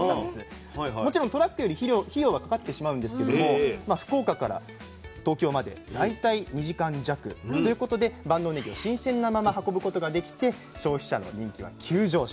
もちろんトラックより費用はかかってしまうんですけれどもまあ福岡から東京まで大体２時間弱ということで万能ねぎを新鮮なまま運ぶことができて消費者の人気は急上昇。